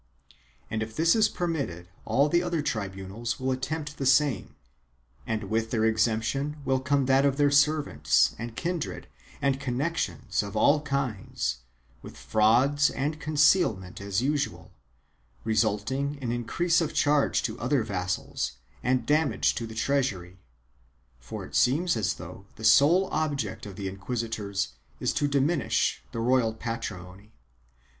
And if this is permitted all the other tribunals will attempt the same, and with their exemption will come that of their servants and kindred and connections of all kinds, with frauds and concealment as usual, resulting in increase of charge to other vassals and damage to the treasury, for it seems as though the sole object of the inquisitors is to diminish the royal patrimony.